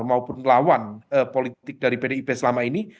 maupun lawan politik dari pdip selama ini